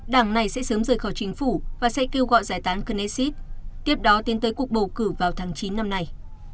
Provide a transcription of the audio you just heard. đảng này sẽ sớm rời khỏi chính phủ và sẽ kêu gọi giải tán kennesith tiếp đó tiến tới cuộc bầu cử vào tháng chín năm nay